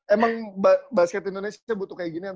emang basket indonesia butuh kayak ginian